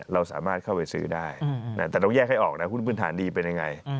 เราสามารถเข้าไปซื้อได้แต่เราแยกให้ออกนะหุ้นพื้นฐานดีเป็นยังไง